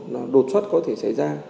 nó đột xuất có thể xảy ra